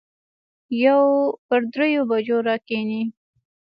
پر دريو بجو راکښېني.